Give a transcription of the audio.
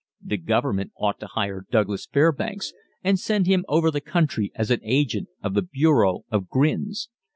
The Government ought to hire Douglas Fairbanks, and send him over the country as an agent of the Bureau of Grins.